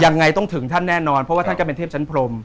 ยังไงต้องถึงท่านแน่นอนเพราะว่าท่านก็เป็นเทพชั้นพรม